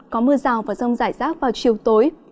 có mưa rào và rông rải rác vào chiều tối